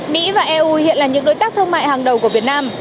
mỹ và eu hiện là những đối tác thương mại hàng đầu của việt nam